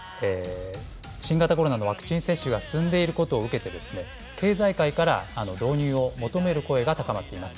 新型コロナのワクチン接種が進んでいることを受けて、経済界から導入を求める声が高まっています。